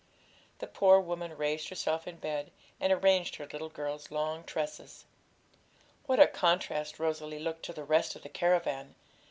The poor woman raised herself in bed, and arranged her little girl's long tresses. What a contrast Rosalie looked to the rest of the caravan!